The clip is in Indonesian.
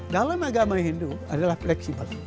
dalam agama hindu adalah fleksibel